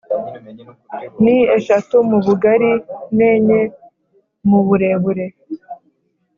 ni, eshatu mu bugali n’enye muburebure